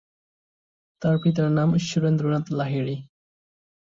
তার পিতার নাম সুরেন্দ্রনাথ লাহিড়ী।